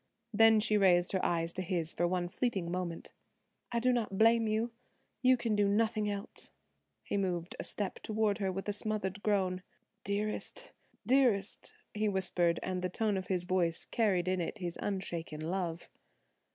Then she raised her eyes to his for one fleeting moment. "I do not blame you. You can do nothing else." He moved a step toward her with a smothered groan, "Dearest, dearest," he whispered, and the tone of his voice carried in it his unshaken love.